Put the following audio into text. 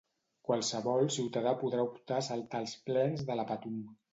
Qualsevol ciutadà podrà optar a saltar als plens de la Patum.